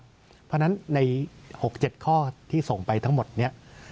เพราะฉะนั้นใน๖๗ข้อที่ส่งไปทั้งหมดนี้